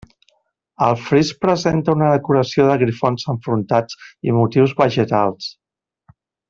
El fris presenta una decoració de grifons enfrontats i motius vegetals.